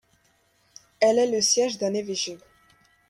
Elle est le siège d'un évêché.